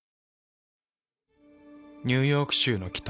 ニューヨーク州の北。